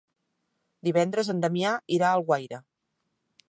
Divendres en Damià irà a Alguaire.